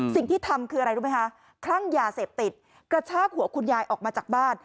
สิ่งที่ทำคืออะไรรู้ไหมคะคลั่งยาเสพติดกระชากหัวคุณยายออกมาจากบ้าน